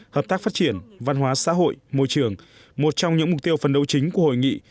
hợp tác phát triển văn hóa xã hội môi trường một trong những mục tiêu phần đầu chính của hội nghị